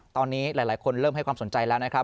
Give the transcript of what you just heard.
ตอนนี้หลายคนเริ่มให้ความสนใจแล้วนะครับ